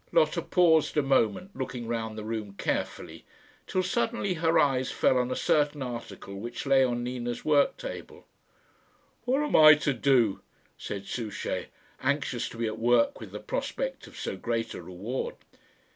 Lotta paused a moment, looking round the room carefully, till suddenly her eyes fell on a certain article which lay on Nina's work table. "What am I to do?" said Souchey, anxious to be at work with the prospect of so great a reward.